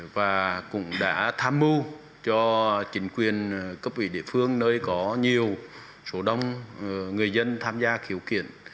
và cũng đã tham mưu cho chính quyền cấp vị địa phương nơi có nhiều số đông người dân tham gia khiếu kiện